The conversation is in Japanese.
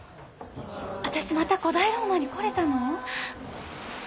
私また古代ローマに来れたの？